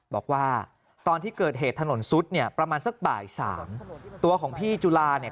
บอกว่าตอนที่เกิดเหตุถนนซุดเนี่ยประมาณสักบ่ายสามตัวของพี่จุลาเนี่ย